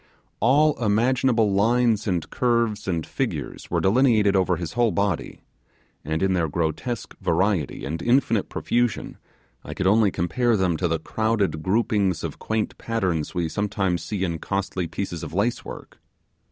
All imaginable lines and curves and figures were delineated over his whole body, and in their grotesque variety and infinite profusion I could only compare them to the crowded groupings of quaint patterns we sometimes see in costly pieces of lacework.